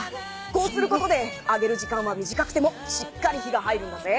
こうすることで揚げる時間は短くてもしっかり火が入るんだぜ。